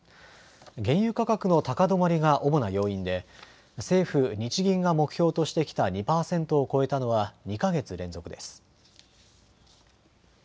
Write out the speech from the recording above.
原油価格の高止まりが主な要因で政府、日銀が目標としてきた２％を超えたのは２か月連続です。